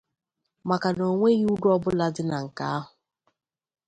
maka na o nweghị uru ọbụla dị na nke ahụ